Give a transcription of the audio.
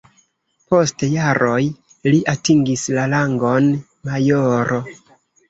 Post jaroj li atingis la rangon majoro.